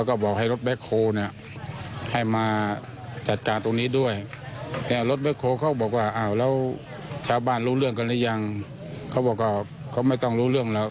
เขาบอกว่าเขาไม่ต้องรู้เรื่องแล้ว